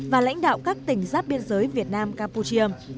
và lãnh đạo các tỉnh giáp biên giới việt nam campuchia